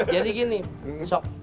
jadi gini sok